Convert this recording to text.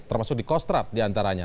termasuk di kostrad diantaranya